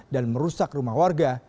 dan merusak rumah warga